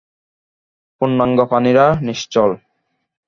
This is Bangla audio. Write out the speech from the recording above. পূর্ণাঙ্গ প্রাণীরা নিশ্চল।